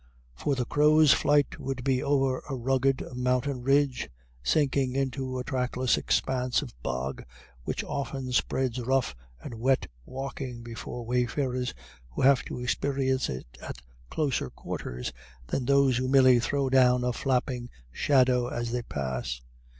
For the crow's flight would be over a rugged mountain ridge, sinking into a trackless expanse of bog, which often spreads rough and wet walking before wayfarers who have to experience it at closer quarters than those who merely throw down a flapping shadow as they pass.